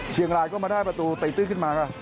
เชียงรายก็มาได้ประตูติดขึ้นมากว่า